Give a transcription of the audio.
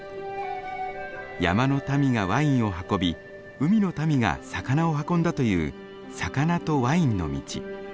山の民がワインを運び海の民が魚を運んだという魚とワインの道。